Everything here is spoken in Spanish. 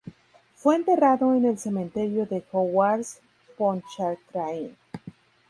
Fue enterrado en el Cementerio de Jouars-Pontchartrain.